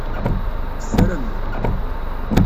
Teffrem.